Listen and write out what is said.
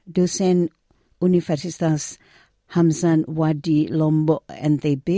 dosen universitas hamsan wadi lombok ntb